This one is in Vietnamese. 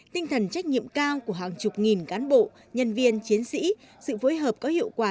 tinh thần trách nhiệm cao của hàng chục nghìn cán bộ nhân viên chiến sĩ sự phối hợp có hiệu quả